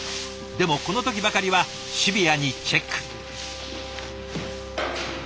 でもこの時ばかりはシビアにチェック。